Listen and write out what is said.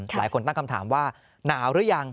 หลายคนตั้งคำถามว่าหนาวหรือยัง